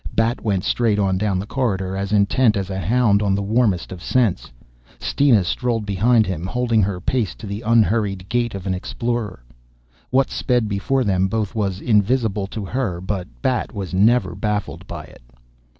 Bat went straight on down the corridor, as intent as a hound on the warmest of scents. Steena strolled behind him, holding her pace to the unhurried gait of an explorer. What sped before them both was invisible to her but Bat was never baffled by it.